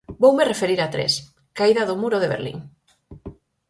Voume referir a tres: Caída do muro de Berlín.